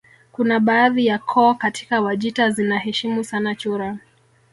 Kuna baadhi ya koo katika Wajita zinaheshimu sana chura